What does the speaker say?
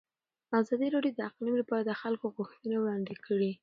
ازادي راډیو د اقلیم لپاره د خلکو غوښتنې وړاندې کړي.